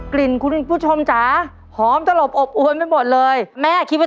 ลิ่นคุณผู้ชมจ๋าหอมตลบอบอวนไปหมดเลยแม่คิดว่า